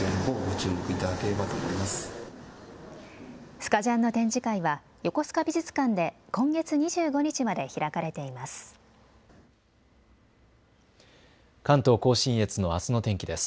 スカジャンの展示会は横須賀美術館で今月２５日まで開かれています。